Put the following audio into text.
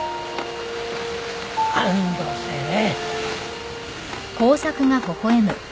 安堵せれ。